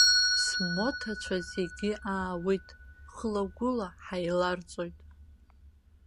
Смоҭацәа зегьы аауеит, хылагәыла ҳаиларҵоит.